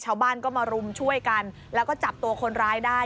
ชาวบ้านก็มารุมช่วยกันแล้วก็จับตัวคนร้ายได้